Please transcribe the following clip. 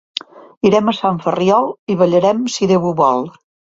Irem a Sant Ferriol, i ballarem, si Déu ho vol.